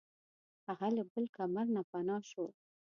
هغه له بل کمر نه پناه شوه.